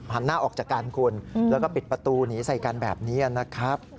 หน้าออกจากกันคุณแล้วก็ปิดประตูหนีใส่กันแบบนี้นะครับ